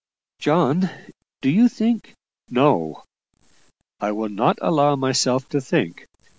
"John, do you think " "No; I will not allow myself to think.